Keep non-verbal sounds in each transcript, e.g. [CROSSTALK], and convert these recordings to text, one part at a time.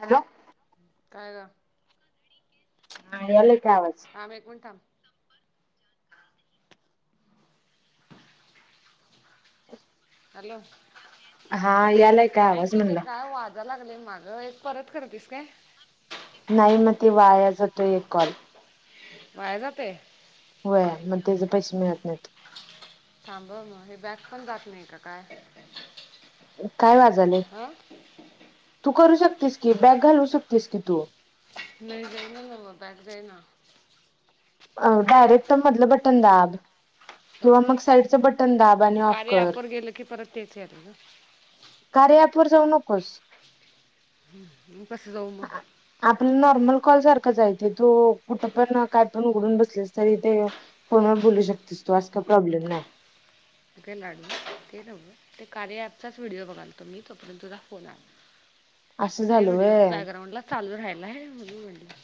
Hello काय ग? हां यालय. थांब एक मिनिटं थांब. हॅलो हां यालाय का आवाज म्हणलं? हो एक परत करतेस काय? नाही मग ते वाया जातो एक कॉल. वाया जातंय? होय मग त्याचे पैसे मिळत नाहीत. थांब हां म हे बॅक पण जात नाही का काय? काय वाजालय, हं तू करू शकतीस की बॅक घालवू शकतीस की तू. नाही जाईना नव बॅक जाईना. अ डायरेक्ट मधलं बटन दाब. हां किंवा मग साईडचं बटन दाब आणि आणि ऑफ कार्या कर ॲप वर गेलं की परत तेच यालय ग. कार्या ॲप वर जाऊ नकोस. हम्म म कसं जाऊ मग? जायती तु कुठं पण काय पण उघडून बसलीस तरी ते, फोनवर बोलू शकतेस तू असं काय प्रॉब्लेम नाही. ते काय लाडू ते नवं ते कार्य ऍपचाच व्हिडिओ बघालतो मी तोपर्यंत तुझा फोन आला. असं ते झालं व्हिडिओ व्हय. बॅकग्राउंडला चालू राहिलाय आहे म्हणून म्हणलं.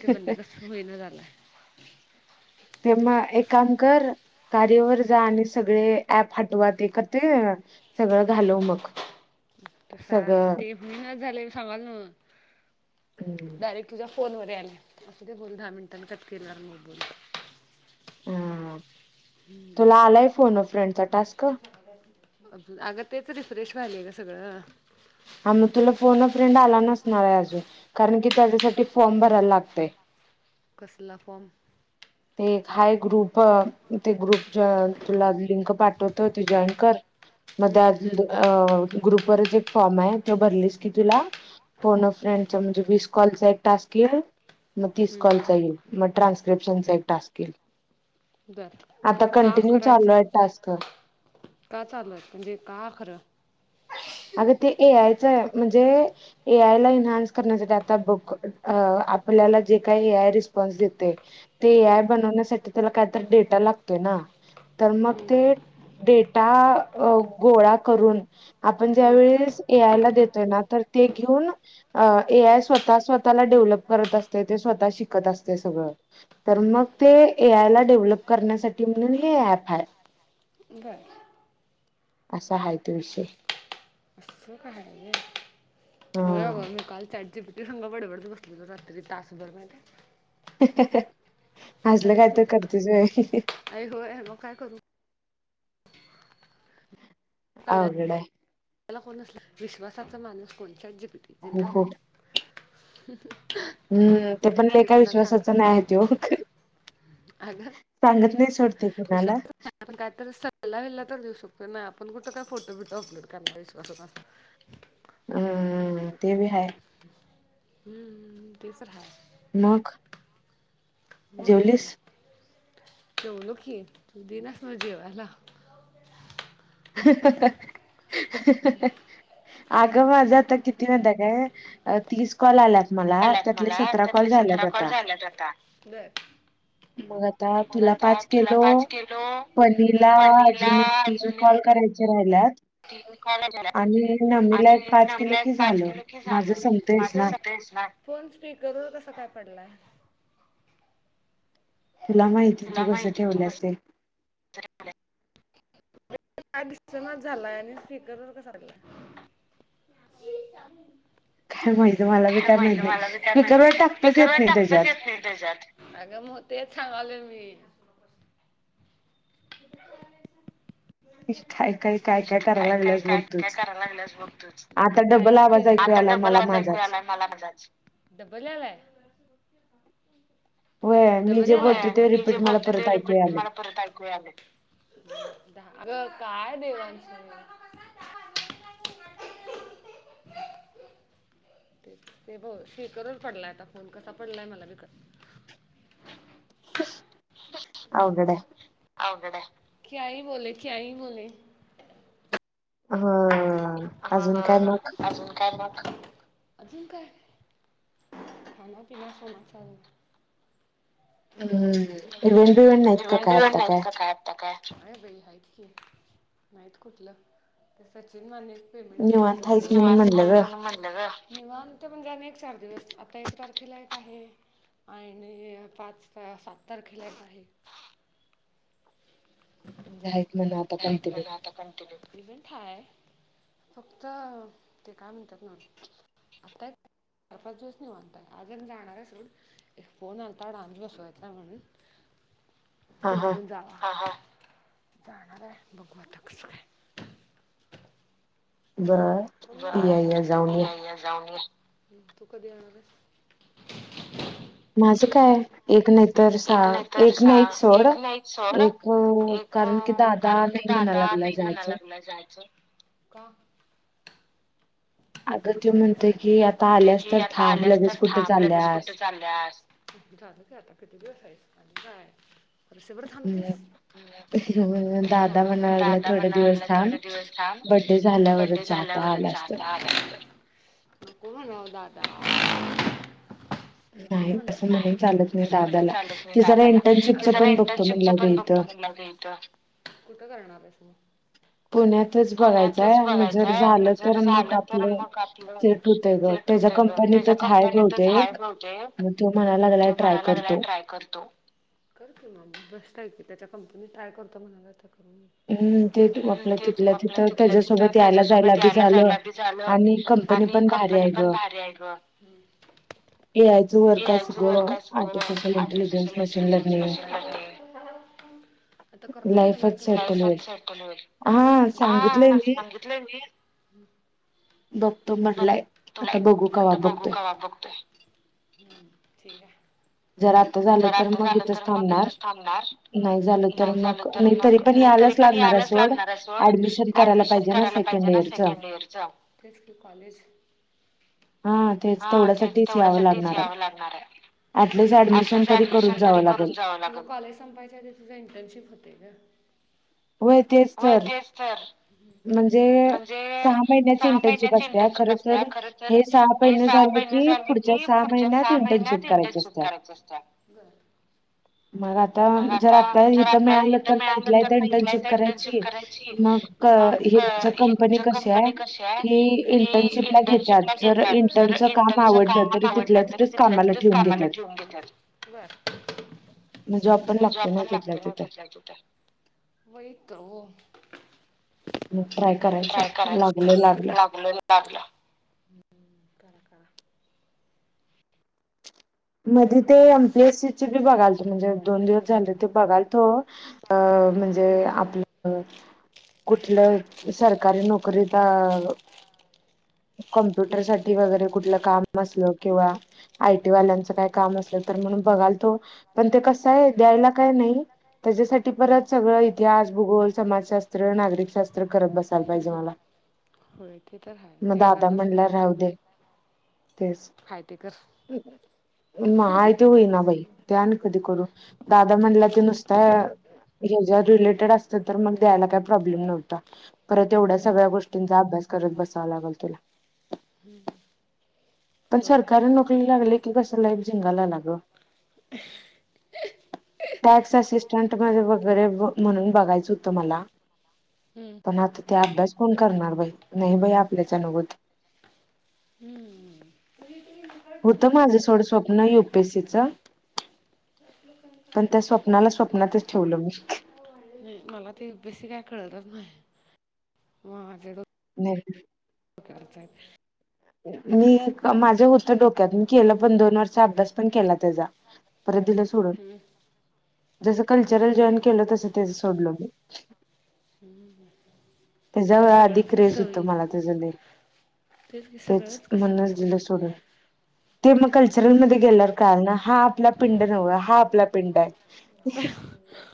ते बंद कसं होईना झालंय? ते म एक काम कर. कार्यावर जा आणि सगळे ऍप हटवा ते एकत्र सगळं घालव मग. [INAUDIBLE] तसा मग सगळं ते हुयना झालंय सांगलोय नव डायरेक्ट तुझ्या फोनवर यालय, असूदे बोल दहा मिनिटांनी कट केल्यावर म बोलू. ह तुला आलाय फोन अ फ्रेंडचा टास्क? आलंय ग सगळं हा मग तुला फोन व फ्रेंड आला नसणार आहे अजून, कारण की त्याच्यासाठी फॉर्म भरायला लागतंय. कसला फॉम? ते एक हाय ग्रुप अ ते ग्रुप तुला लिंक पाठवतो ते जॉईन कर. म त्या अ ग्रुप वरच एक फॉर्म आहे त्यो भरलीस की तुला फोन अ फ्रेंडचा म्हणजे वीस कॉलचा एक टास्क येईल, मग तीस कॉल चा येईल, मग ट्रान्स्क्रिप्शनचा एक टास्क येईल, बर आता खरं का कंटिन्यू करायचं चालूय टास्क. का चालूय? म्हणजे का अ खरं अगं ते ए आयचय म्हणजे ए आय ला एनहान्स करण्याचा ते आता बघ आपल्याला जे काही ए आय रिस्पॉन्स देते ते ए हम्म, आय बनवण्यासाठी त्याला काहीतरी डेटा लागतोय ना, तर मग ते डेटा अ गोळा करून आपण ज्या हम्म. वेळेस ए आयला देतोय ना तर ते घेऊन ए आय स्वतः स्वतःला व्हप करत अस ते स्वतः शिकत असते सगळ तर मग ते ए आयला डेव्हलप करण्या म्हण हे ऍप आहे बरं असा आहे त विषय इ काहा आहे हा म काल चाट जी टी पी संगा बडेबडत बसले त रात्री तासभर आसलं खरंच काय की तर करतेचय आई होय मग काय करू आवगड हाय त्याला कोण अस विश्वासाचा माणूस कोण चाट जी टी पी हो हो जिंदाबाद हम्म ते पण ले का कोणाला सांग विश्वासाच नाही आहे त अगं सांगत नाही सुरतीणाला विला तर देऊ शकतो ना आपण कुठं काय फोटो बिटो अपलोडला विशस अं ते बी हाय हम्म तिसर ह मग मका जेवलीस? नाही ते म्हल की तू देनस न जेवला काय अगंझं आता किती वादा काय अ तीस कॉल आलात मला आलास त्यातले मला सतरा कॉल त्यातले सतरा झालेत कॉल आता झाल्यात आता बर मग आता मग तुला आता पाच तुला किलो पाच किलो पनीला पनीला अजून एक तीन कॉल करायच राहिल्यात त काला आणि नमीला आणि एक पाच केलो नवीला की एक पाच झालं किलो कि झाल माझं संपतयच ना मा फोन करू पडला तुला माहिती तू तुला कस माहिती तू ठेवलं असते कसं काय दिसतनाच झालाय आणि स्पीकर वर कस झाला [INAUDIBLE] काय माहित मला बी काय माहिती माहत नाही मला बी काय माहित नाही स्पीकरवर टाकताच स्पीकरवर येत नाही त्याच्यात म ते सांगले मी काय काय काय काय करायला काय लागल्यास काय काय बघतोच करायला आता डबल आवाज ऐकू ता आलाय डब मला लाच ऐकू माझाच आलाय मला म्हणा डबल आलाय अच् [INAUDIBLE] ते मी जे रिपीट मला बोलतो परत ते ऐकू रिपीट आलय मला परत ऐकू आले [INAUDIBLE] अगं काय देवांच [UNINTELLIGIBLE] ते बहुतेक, स्पीकर वर पडलाय आता फोन. कसा पडलाय? ते मला बी कळना. [INAUDIBLE] अवघड आहे बोलत आहे, क्या ही बोले, क्या ही बोले. हा.... हा... अजून काय मग अजून काय मग? अजून काय? खाना-पिना-सोना चालूच. हम्म... इव्हेंट - बिव्हेंट नाहीत का काय? आत्ता काय? हाय बाई! आहेत की, नाहीत कुठलं. ते सचिन माने. पेमेंट दिलं नाही निवांत व्यवस्थित. हायस म्हणून निवांत म्हणलं आहेस ग म्हणून म्हणलं गं, निवांत म्हणजे आणि एक चार दिवस आता एक तारखेला एक आहे, आणि पाच तारखेला, सात तारखेला एक आहे. आहेत म्हण आता काही बी कंटिन्यू म्हणा आता, कंटिन्यू इव्हेंट हाय. फक्त, ते काय म्हणतात ना? आताय चार-पाच दिवस निवांत आहे, आज आणि जाणार आहे सोड. एक फोन आलता, डान्स बसवायचा आहे म्हणून. हा हा भेटून जावा. जाणार आहे, बघू आता कसं काय? बर बाळ, या या जाऊन या बघूया जाऊन या, तू कधी येणार आहेस? माझं काय? एक नाही, तर सहा. एक नाही तर एक सहा नाहीच सोड, एक नाही सोड एक का कारण की, अं, दादा कारण की नाही म्हणा दादा लागला नाही म्हणा जायचं. लागला जायचं का? अगं, त्यो म्हणतोय कि, आता ते आल्यास की तर आता थांब. आल्यास लगेच तर कुठे थांब लगेच चालल्यास? कुठं चालल्यास झालं की आता, किती दिवस आहेस? आणि जायाचं. वर्षभर हम्म. थांबतीस? ह्या दादा महिन्यात, म्हणायला लागला दादा थोडे दिवस म्हणायला थांब थोडे दिवस थांब. बड्डे बर्थडे झाल्यावरच जा आता झाल्यावरच जा, आलास तर आता आलास तर. मग, बोला ना ओ दादा. नको नाही, म्हणावं. असं म्हणून नाही चालत नाही असं म्हणून दादाला, चालत नाही ते जरा दादाला इंटर्नशिपच पण बघतो म्हणाला गं इथं. कुठं इथं? कुठं करणार आहेस? पुण्यातच बघायचंय पुण्यातच मग जर बघायचंय, आणि झालं जर तर मग झालं, तर आपलं मग. सेट होतंय ग ते त्याच्या कुठे गं? त्याच्या कंपनीतच हाय कंपनीतच बहुतेक हाये बहूतेक, मग तो म्हणायला मग लागलाय तो ट्राय म्हणाय लागला करतो. ट्राय करतो. कर की मग. मस्त आहे की, त्याच्या कंपनीत ट्राय करतो म्हणाला तर. करून घे. हम्म.. ते हम्म, आपलं, ते तिथल्या आपल्या तिथं तिथल्या तिथं त्याच्यासोबत यायला जायला त्याच्यासोबत बी यायला झालं, जायला बी झालं आणि कंपनी आणि पण भारी कंपनी आहे पण ग. भारी आहे गं. ए आयचं वर्क आहे एआय च वर्क सगळं असतं, ते artificial intelligence artificial machine intelligence learning machine करते. आता करतो म्हणालाय, लाईफच करू दे. सेटल होईल. शटल होय? होयच हा की, सांगितलंय आ... मी सांगितलंय मी. बघतो म्हणलाय. बघतो आता बघू, कवा आता बघू बघतोय? कवा बघतोय हम्म, ठीक आहे. जर, आता झालं जर तर, आता मग झालं इथच तर मग थांबणार. इथंच थांबणार हम्म. नाही झालं, तर नाही झालं मग? तर नाही तरी मग पण यायलाच नाही तरी यायलाच पण लागणार आहे यायलाच सोड. लागणार आहे सोड ऍडमिशन करायला ऍडमिशन पाहिजे ना, करायला सेकंड पाहिजे ना इअरचं. सेकंड इयरचं तेच की कॉलेज हा, तेच. तेवढ्यासाठीच यावं तेवढ्यासाठीच लागणार आहे. यावं लागणार आहे. ऍटलिस्ट ऍडमिशन ऍटलिस्ट, तरी करून ऍडमिशन तरी जावं करून लागल जावं लागल, कॉलेज संपायच्या आदी तुझं इंटर्नशिप होतंय गं. होय. तेच तर. म्हणजे, म्हणजे सहा महीन्याची सहा इंटर्नशिप महिन्याची असते. इंटर्नशिप खरं तर असत्या खर तर हे सहा हे महिने झाले सहा झाले महिने की, पुढच्या की सहा पुढच्या महिन्यात, सहा इंटर्नशिप महिन्यात करायची इंटर्नशिप असते. करायची असत्या. बरं. मग आता मग जर आता? जर आता इथं मिळालं तर मग इथल्या इथं इंटर्नशिप करायची मग ह ज कंपनी ह्याच कशी आहे कंपनी कशी आहे की इंटर्नशिपला घेतात जर इंटर्न, इंटनच काम आवडलं त तिथल्या तिथच कामाला ठेवून घेतात. मग जॉब पण म्हणजे लागते आपण तिथल्या लागतो ना तिथं तथल्या तिथ. तर हो, मग ट्राय करायचं ट्राय लागलं करायचं लागलं लागल लागलं. ह मधी ते एमपीएससी बी बघाल म्हणजे दोन दिवस झाले ते बघाल तो, अ म्हणजे हम्म आपलं, कुठलं सरकारी नोकरी तर, कम्प्युटर हम्म साठी वगैरे कुठलं काम, किंवा आयटी वाल्याच काय काम अस तर म्हणून बघालो पण कसय, यला काय नाही. त्याच्यासाठी हम्म परत सगळं इतिहास भूगोल समाजशास्त्र नागरिकशास्त्र करत बसायला पाहिजे मला. होय ते तर आहे. दादा म्हला राहु दे. तेच, हाय ते कर माहि ते होई ना बाई ते आणि कधी करू दादा म्हणलं ते नुसत, रिलेटेड अस मग द्यायला काही प्रॉब्लेम नव्हता परत एवढ्या हम्म सगळ्या गोष्टींचा अभ्यास करत ब गल तुला. पण होय सरकारी नोकरी लागली की कस लाईफ झिनगालागा ग. टॅक्स असिस्टं वगैरे म्हणून बघायचं होतं मला हम्म पण आता त्या अभ्यास, कोण करणार बाई नाही बाई आपल्याच्या होत. हम्म होतं माझं सोडं स्वप्न युपीएससीचं. पण त्या स्वप्नाला म स्वप्नातच ठेवलं मी. मला यु पी एस पी कळत नाही. म जड नाही ओकेच मी माझं होतं डोक्यातून केलं पण दोन वर्ष अभ्यास पण केला. त्याचा परत दिलं सोडून. हम्म, जसं कल्चरल जॉईन केलं तस ते सोडलो मी. त्याच्या व आधीि सगळंच क्रेझ कसं होतं होईल मला तेझ लय, की तेच सगळंच कसं म्हणच दिले होईल सोडून. ते मग कल्चरल मध्ये गेल्यावर कारण हा आपला पिंड नव्ह हा आपला- पिड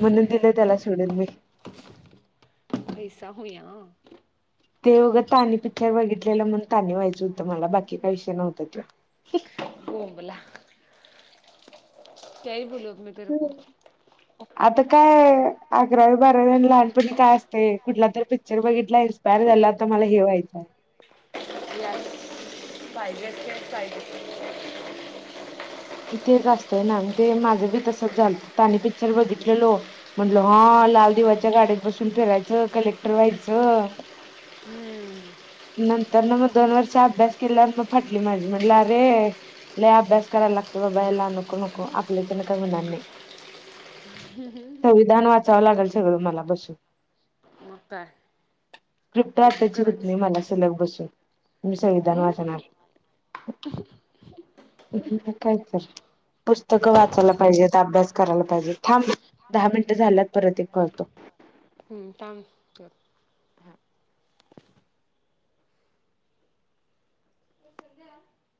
म्हणून दिले त्याला सोडून मी. औसा होईया ते बघं तानी पिक्चर बघितलेलं म्हण तानी व्हायचं होत. मला बाकी काय विषय नव्हत तो. बोंबला काही बोलू आप म तेरक का अकरावी बारावी आणि लहानपणी काय असते कुठलारी पिक्चर बघितला इन्स्पायर झालं आता मला हे व्हायचं. ज पायग तेच असतय ना मी ते माझं बी तसच झाल तानी पिक्चर बघितलेलो. म्हंटल हा लाल दिवाच्या गाड्यात बसून फिरायचं कलेक्टर व्हायचं. हम्म नंतर न मग दोन वर्ष अभ्यास केला मग फाटली माझी म्हटलं अरे लय अभ्यास करायला लागतो. बायला नको नको आपल्या च्यान काय होणार नाही. संविधान वाचावं लागल सगळं मला बसून उर [UNINTELLIGIBLE] क्रिप्ट आताची होत नाही मला सलग बसून मी संविधान वाचणार ह [UNINTELLIGIBLE] [UNINTELLIGIBLE] कायतर पुस्तकं वाचायला पाहिजेत अभ्यास करायला पाहिजेत थांब दहा मिनटं झाल्यात परत एक करतो हम् थांब [UNINTELLIGIBLE]